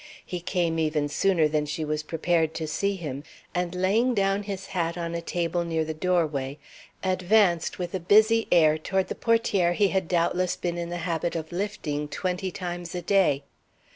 He came even sooner than she was prepared to see him, and laying down his hat on a table near the doorway, advanced with a busy air toward the portière he had doubtless been in the habit of lifting twenty times a day.